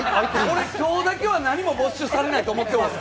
今日だけは何も没収されないと思ってます。